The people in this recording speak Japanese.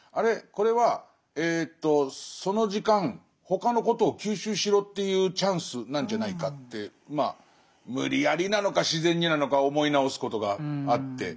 これはその時間他のことを吸収しろっていうチャンスなんじゃないかってまあ無理やりなのか自然になのか思い直すことがあって。